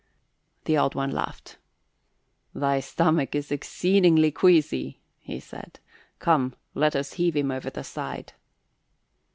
The Old One laughed. "Thy stomach is exceeding queasy," he said. "Come, let us heave him over the side."